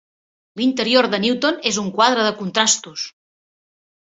L'interior de Newton és un quadre de contrastos.